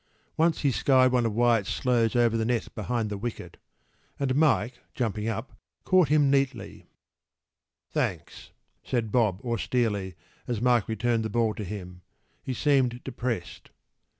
Once he skied one of Wyatt’s slows over the net behind the wicket; and Mike, jumping up, caught him neatly. “Thanks,” said Bob austerely, as Mike returned the ball to him.  He seemed depressed.